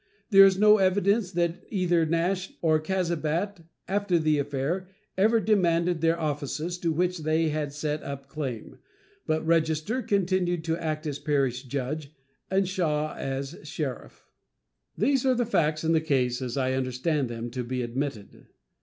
There is no evidence that either Nash or Cazabat, after the affair, ever demanded their offices, to which they had set up claim, but Register continued to act as parish judge and Shaw as sheriff. These are facts in this case as I understand them to be admitted.